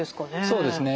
そうですね。